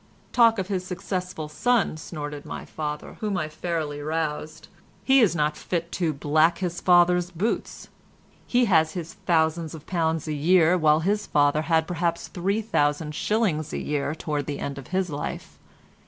"Talk of his successful son," snorted my father, whom I had fairly roused. "He is not fit to black his father's boots. He has his thousands of pounds a year, while his father had perhaps three thousand shillings a year towards the end of his life.